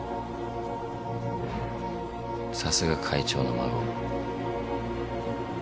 さすが会長の孫。